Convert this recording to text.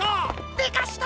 でかした！